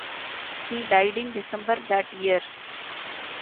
He died in December that year.